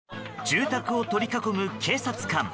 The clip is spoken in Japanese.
住宅を取り囲む警察官。